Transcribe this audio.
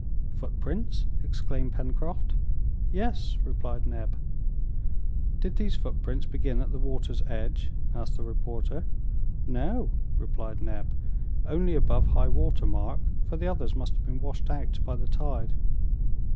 "Footprints?" exclaimed Pencroft. "Yes!" replied Neb. "Did these footprints begin at the water's edge?" asked the reporter. "No," replied Neb, "only above high water mark, for the others must have been washed out by the tide."